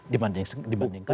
dibandingkan dengan jawa tengah